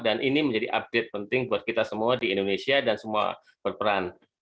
dan ini menjadi update penting buat kita semua di indonesia dan semua berperan